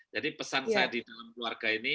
jadi pesan saya di dalam keluarga ini